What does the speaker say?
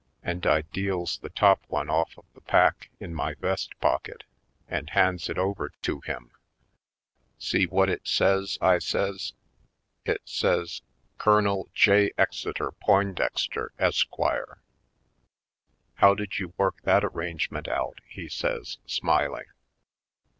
And I deals the top one off of the pack in my vest pocket and hands it over to 268 /. Poindextery Colored him. *'See whut it sez," I says. "It sez, *Col. J. Exeter Poindexter, Esq.' " "How did you work that arrangement out?" he says, smiling.